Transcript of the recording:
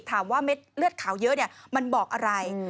เม็ดเลือดขาวเยอะมันบอกอะไร